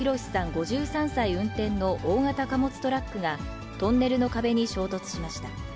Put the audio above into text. ５３歳運転の大型貨物トラックが、トンネルの壁に衝突しました。